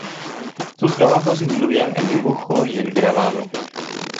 Sus trabajos incluían el dibujo y el grabado.